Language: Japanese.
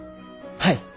はい！